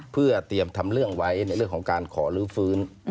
เพื่อเตรียมทำเรื่องไว้ในเรื่องของการขอลื้อฟื้น